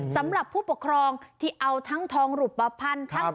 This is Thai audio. สำหรับผู้ปกครองที่เอาทั้งทองรูปภัณฑ์ทั้ง